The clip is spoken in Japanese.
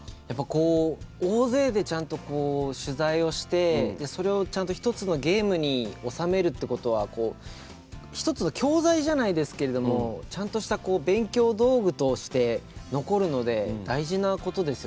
大勢でちゃんと取材をしてそれを１つのゲームに収めるってことは１つの教材じゃないですけれどもちゃんとした勉強道具として残るので大事なことですよね。